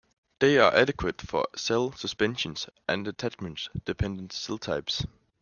They are adequate for cell suspensions and attachment dependent cell types.